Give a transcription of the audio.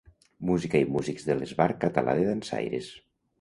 Música i músics de l'Esbart Català de Dansaires.